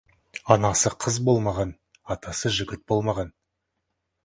Анасы қыз болмаған, атасы жігіт болмаған...